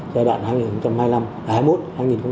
giai đoạn hai nghìn hai mươi một